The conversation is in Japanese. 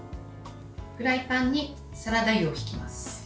フライパンにサラダ油をひきます。